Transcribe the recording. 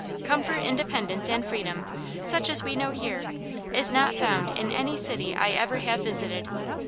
Comfort, independence, and freedom, such as we know here, is not found in any city I ever have visited.